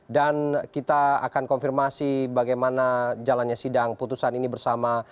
dan kita akan konfirmasi bagaimana jalannya sidang putusan ini bersama